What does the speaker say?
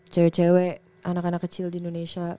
cewek cewek anak anak kecil di indonesia